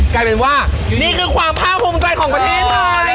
กลายเป็นว่านี่คือความภาคภูมิใจของประเทศไทย